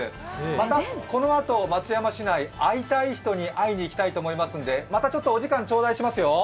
またこのあと、松山市内会いたい人に会いにいきたいと思いますのでまたちょっとお時間ちょうだいしますよ。